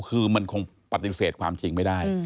คือมันคงปฏิเสธความจริงไม่ได้